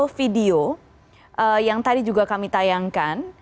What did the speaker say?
ada video video yang tadi juga kami tayangkan